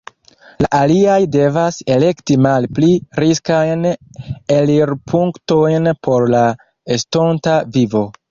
La aliaj devas elekti malpli riskajn elirpunktojn por la estonta vivo.